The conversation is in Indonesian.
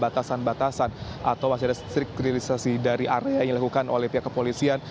ada batasan batasan atau masih ada strik kriminalisasi dari area yang dilakukan oleh pihak kepolisian